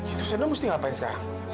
itu saya bilang mesti ngapain sekarang